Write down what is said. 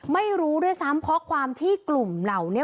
ไม่รู้ด้วยซ้ำข้อความที่กลุ่มเหล่านี้